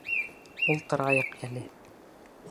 Ултырайыҡ әле!